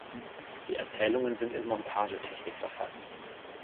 Die Erzählungen sind in Montagetechnik verfasst.